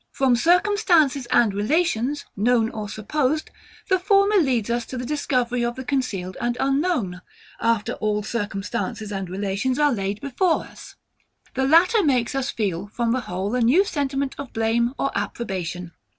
From circumstances and relations, known or supposed, the former leads us to the discovery of the concealed and unknown: after all circumstances and relations are laid before us, the latter makes us feel from the whole a new sentiment of blame or approbation.